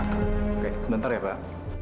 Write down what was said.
oke sebentar ya pak